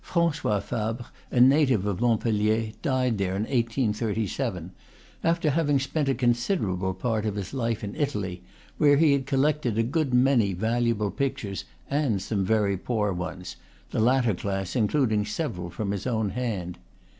Francois Fabre, a native of Montpellier, died there in 1837, after having spent a considerable part of his life in Italy, where he had collected a good many valuable pictures and some very poor ones, the latter class including several from his own hand.